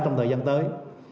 trong thời gian tới